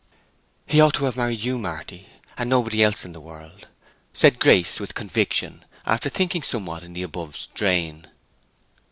"He ought to have married you, Marty, and nobody else in the world!" said Grace, with conviction, after thinking somewhat in the above strain.